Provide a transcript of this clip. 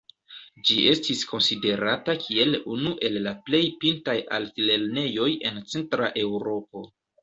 Ĝi estis konsiderata kiel unu el la plej pintaj altlernejoj en Centra Eŭropo.